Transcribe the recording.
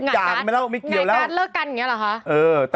ง่ายการเลิกกันอย่างนี้เหรอฮะ